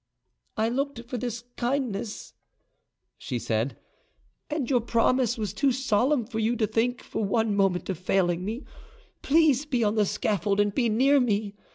"I looked for this kindness," she said, "and your promise was too solemn for you to think for one moment of failing me. Please be on the scaffold and be near me.